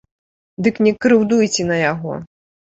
Дык не крыўдуйце на яго!